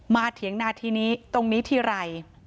เถียงนาทีนี้ตรงนี้ทีไร